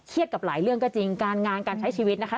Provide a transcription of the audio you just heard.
กับหลายเรื่องก็จริงการงานการใช้ชีวิตนะคะ